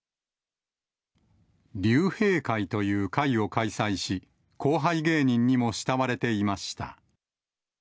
竜兵会という会を開催し、後輩芸人にも慕われていました。